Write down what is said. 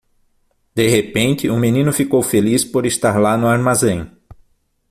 De repente, o menino ficou feliz por estar lá no armazém.